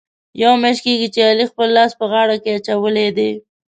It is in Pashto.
یوه میاشت کېږي، چې علي خپل لاس په غاړه کې اچولی دی.